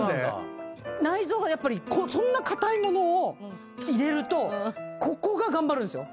内臓がやっぱりそんな硬い物を入れるとここが頑張るんですよ。